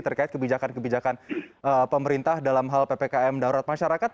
terkait kebijakan kebijakan pemerintah dalam hal ppkm darurat masyarakat